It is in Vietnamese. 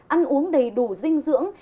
ăn uống đầy đủ dinh dưỡng